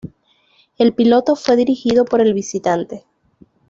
El piloto fue dirigido por el Visitante.